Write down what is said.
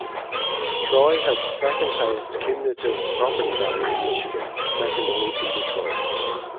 Troy has the second highest cumulative property value in Michigan, second only to Detroit.